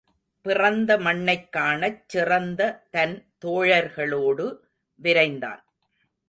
பிறந்த மண்ணைக் காணச் சிறந்த தன் தோழர்களோடு விரைந்தான்.